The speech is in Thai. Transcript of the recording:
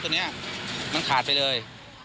ตรงเนี้ยมันขาดไปเลย